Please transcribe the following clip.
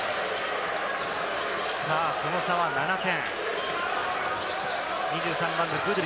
その差は７点。